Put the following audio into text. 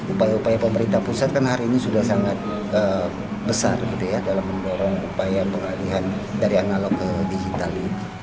upaya upaya pemerintah pusat kan hari ini sudah sangat besar dalam mendorong upaya pengalihan dari analog ke digital